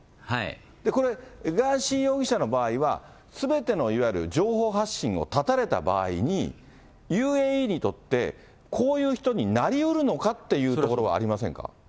これ、ガーシー容疑者の場合は、すべてのいわゆる情報発信を断たれた場合に、ＵＡＥにとって、こういう人になりうるのかっていうところはありませんか。